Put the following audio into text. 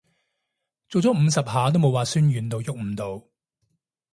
做咗五十下都冇話痠軟到郁唔到